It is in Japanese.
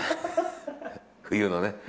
冬のね。